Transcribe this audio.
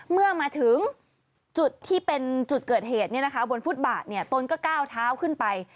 เมื่อมาถึงจุดที่เป็นจุดเกิดเหตุบนฟุตบาทตนก็ก้าวเท้าขึ้นไป